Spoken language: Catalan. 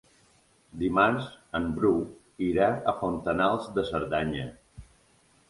Dimarts en Bru irà a Fontanals de Cerdanya.